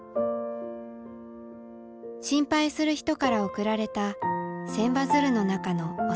心配する人から送られた千羽鶴の中の幼い桃佳。